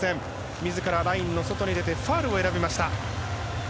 自らラインの外に出てファウルを選びました。